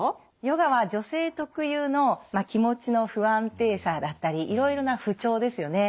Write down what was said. ヨガは女性特有の気持ちの不安定さだったりいろいろな不調ですよね